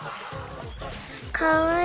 かわいい。